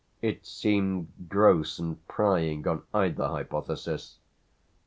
It seemed gross and prying on either hypothesis.